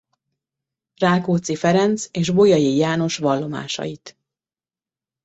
Rákóczi Ferenc és Bolyai János vallomásait.